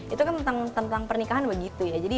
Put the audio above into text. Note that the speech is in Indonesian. itu kan tentang pernikahan begitu ya